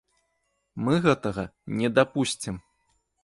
Мы гэтага не дапусцім!